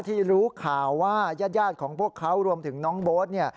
ที่รู้ข่าวว่าญาติของพวกเขารวมถึงน้องโบ๊ทเนี่ย